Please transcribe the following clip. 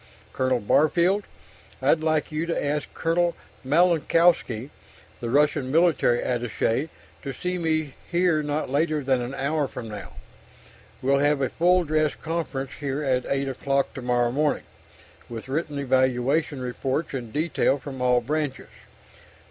Colonel Barfield, I'd like you to ask Colonel Malinowski, the Russian military attaché to see me here not later than an hour from now. We'll have a full dress conference here at 8 o'clock tomorrow morning, with written evaluation reports in detail from all branches. Dr.